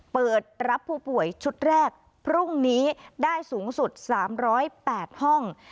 เปิดรับผู้ป่วยชุดแรกพรุ่งนี้ได้สูงสุด๓๐๘ห้อง